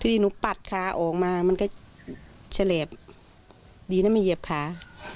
ดีหนูปัดขาออกมามันก็เฉลบดีนะไม่เหยียบขา